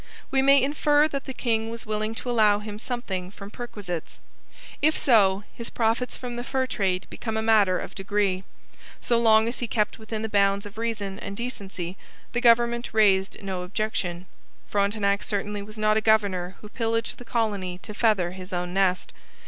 We may infer that the king was willing to allow him something from perquisites. If so, his profits from the fur trade become a matter of degree. So long as he kept within the bounds of reason and decency, the government raised no objection. Frontenac certainly was not a governor who pillaged the colony to feather his own nest.